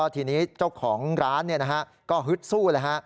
ทีนี้เจ้าของร้านก็ฮึดสู้เลยฮะ